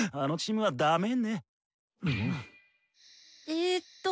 えっと